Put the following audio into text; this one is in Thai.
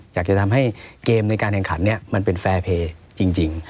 อยากจะทำให้เกมในการแข่งขันเนี่ยมันเป็นแฟร์เพย์จริง